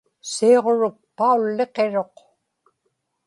siuġruk paulliqiruq